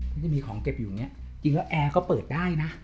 มันจะมีของเก็บอยู่อย่างนี้จริงแล้วแอร์ก็เปิดได้นะ